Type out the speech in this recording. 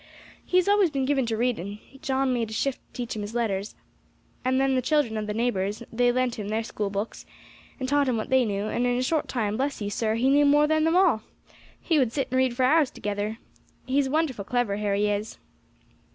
"He has always been given to reading. John made a shift to teach him his letters, and then the children of the neighbours, they lent him their schoolbooks, and taught him what they knew, and in a short time, bless you, sir, he knew more than them all! He would sit and read for hours together. He is wonderful clever, Harry is."